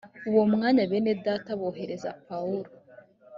uwo mwanya bene data bohereza pawulo